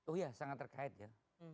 oh iya sangat terkait ya